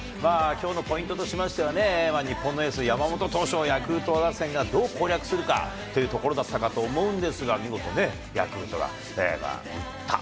きょうのポイントとしましてはね、日本のエース、山本投手をヤクルト打線がどう攻略するかというところだったかと思うんですが、見事ね、ヤクルトが打った。